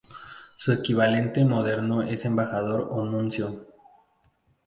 Su equivalente moderno es embajador o nuncio.